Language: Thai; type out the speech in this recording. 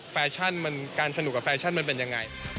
แฟชั่นการสนุกกับแฟชั่นมันเป็นยังไง